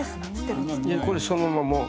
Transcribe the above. いやこれそのまま。